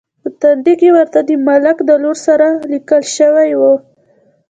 په تندي کې ورته د ملک د لور سره لیکل شوي و.